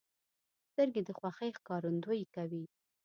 سترګې د خوښۍ ښکارندویي کوي